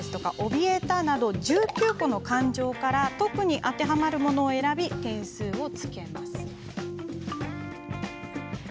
「おびえた」など１９個の感情から特に当てはまるものを選び点数をつけます。